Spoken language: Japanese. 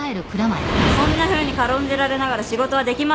そんなふうに軽んじられながら仕事はできません！